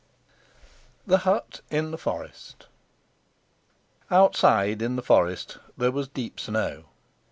THE HUT IN THE FOREST. Outside in the forest there was deep snow.